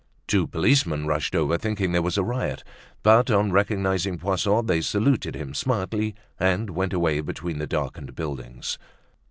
Two policemen rushed over, thinking there was a riot, but on recognizing Poisson, they saluted him smartly and went away between the darkened buildings.